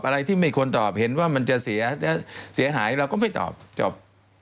อะไรที่ไม่ควรตอบเห็นว่ามันจะเสียหายเราก็ไม่ตอบจบ